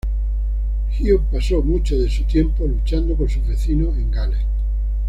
Hugh pasó mucho de su tiempo luchando con sus vecinos en Gales.